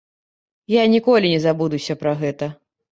Я ніколі не забудуся пра гэта.